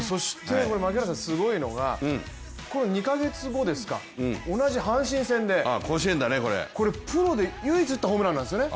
槙原さん、すごいのが同じ阪神戦で、プロで唯一打ったホームランなんですよね。